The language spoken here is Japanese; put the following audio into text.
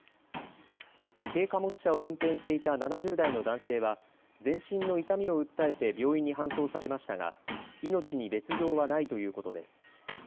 軽貨物車を運転していた７０代の男性は全身の痛みを訴えて病院に搬送されましたが命に別状はないということです。